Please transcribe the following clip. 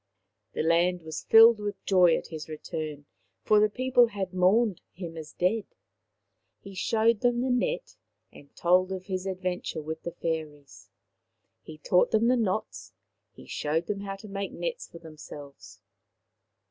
The land was filled with joy at his return, for the people had mourned him as dead. He showed them the net and told of his adventure with the fairies. He taught them the knots ; he showed them how to make nets for themselves.